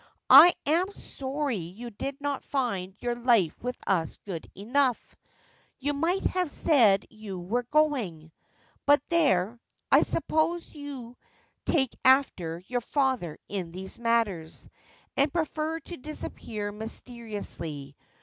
I am sorry you did not find your life with us good enough. You might have said you were going. But there — I suppose you take after your father in these matters, and prefer to disappear mysteriously.